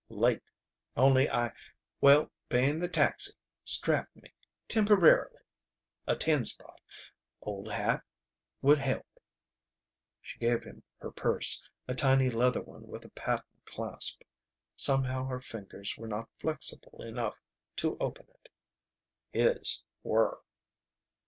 "Late. Only I Well, paying the taxi strapped me temporarily. A ten spot old Hat would help." She gave him her purse, a tiny leather one with a patent clasp. Somehow her fingers were not flexible enough to open it. His were.